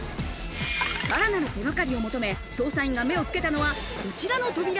さらなる手がかりを求め、捜査員が目をつけたのは、こちらの扉。